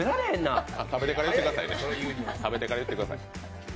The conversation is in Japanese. あ、食べてから言ってくださいね。